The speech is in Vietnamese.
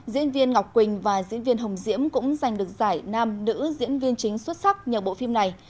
diễn viên ngọc quỳnh và diễn viên hồng diễm cũng giành được giải nam nữ diễn viên chính xuất sắc nhờ bộ phim này